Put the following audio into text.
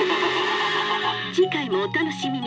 「次回もお楽しみに」。